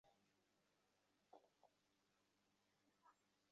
আর আষাড়ে গল্প শোনানো ওই মাতাল জিম নিকেলবোন্সও সেই কাতারে পড়ে।